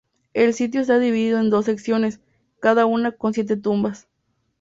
El sitio está dividido en dos secciones, cada una con siete tumbas.